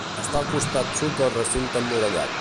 Està al costat sud del recinte emmurallat.